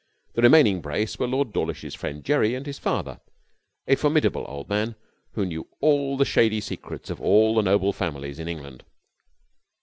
The remaining brace were Lord Dawlish's friend Jerry and his father, a formidable old man who knew all the shady secrets of all the noble families in England.